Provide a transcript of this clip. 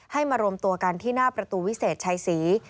ให้มารวมตัวกันที่หน้าประตูวิเศษชัยศรี